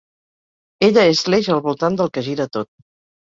Ella és l'eix al voltant del que gira tot.